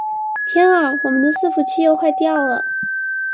天啊！我們的伺服器又壞掉了